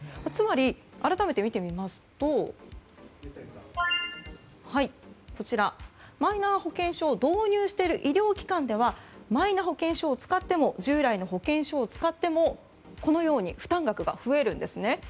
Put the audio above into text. つまり、改めて見てみますとマイナ保険証を導入している医療機関ではマイナ保険証を使っても従来の保険証を使ってもこのように負担額が増えるんですね。